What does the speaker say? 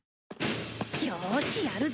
よーしやるぞ！